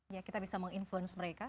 ya kita bisa menginfluence mereka